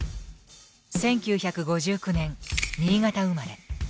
１９５９年新潟生まれ。